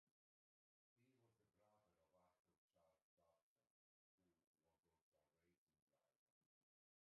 He was the brother of Arthur Charles Dobson, who was also a racing driver.